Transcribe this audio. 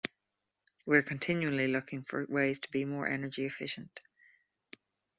We're continually looking for ways to be more energy efficient.